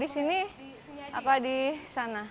di sini apa di sana